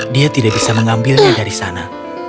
dia tidak bisa mengambilnya dari sana